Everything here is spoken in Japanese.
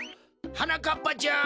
はなかっぱちゃん